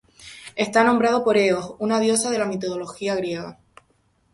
Está nombrado por Eos, una diosa de la mitología griega.